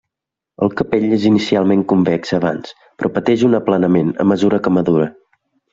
El capell és inicialment convex abans, però pateix un aplanament a mesura que madura.